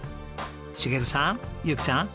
茂さん由紀さん